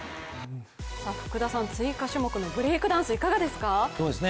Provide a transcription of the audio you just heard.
福田さん、追加種目のブレイクダンス、いかがですか？